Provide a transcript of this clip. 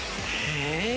え？